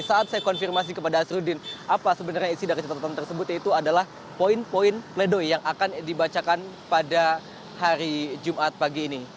saat saya konfirmasi kepada asruddin apa sebenarnya isi dari catatan tersebut yaitu adalah poin poin pledoi yang akan dibacakan pada hari jumat pagi ini